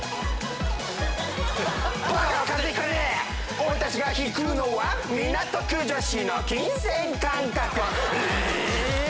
俺たちがひくのは港区女子の金銭感覚